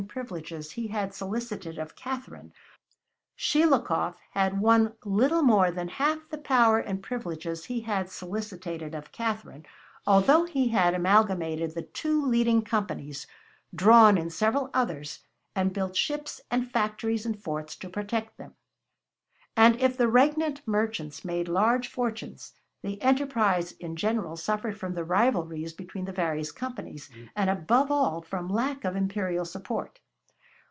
Shelikov had won little more than half the power and privileges he had solicited of Catherine, although he had amalgamated the two leading companies, drawn in several others, and built ships and factories and forts to protect them. And if the regnant merchants made large fortunes, the enterprise in general suffered from the rivalries between the various companies, and above all from lack of imperial support.